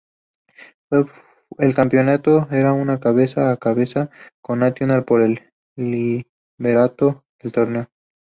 El campeonato era un cabeza a cabeza con Nacional por el liderato del torneo.